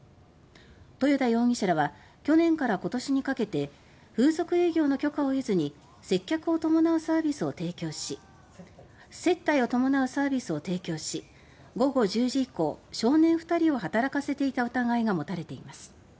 豊田容疑者らは去年から今年にかけて風俗営業の許可を得ずに接待を伴うサービスを提供し午後１０時以降少年２人を働かせていた疑いが持たれています。